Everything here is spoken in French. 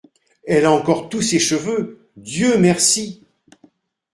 Elle a encore tous ses cheveux, Dieu merci !